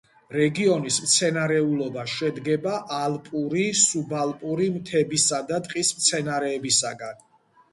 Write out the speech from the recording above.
რეგიონის მცენარეულობა შედგება ალპური, სუბალპური მთებისა და ტყის მცენარეებისაგან.